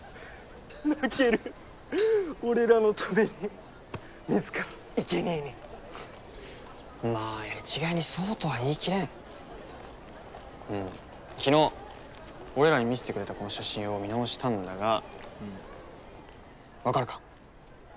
泣ける俺らのために自らいけにえにまあ一概にそうとは言いきれんうん昨日俺らに見せてくれたこの写真を見直したんだがうんわかるか？